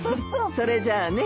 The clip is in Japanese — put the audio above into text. それじゃあね。